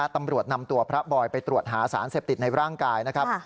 ตำรวจนำตัวพระบอยไปตรวจหาสารเสพติดในร่างกายนะครับ